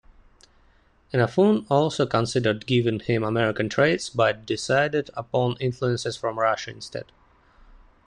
Inafune also considered giving him American traits, but decided upon influences from Russia instead.